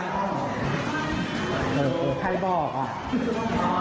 อันนี้ต้องมา